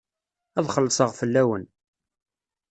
Ad xellṣeɣ fell-awen.